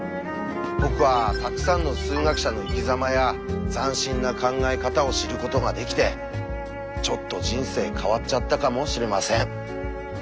僕はたくさんの数学者の生きざまや斬新な考え方を知ることができてちょっと人生変わっちゃったかもしれません。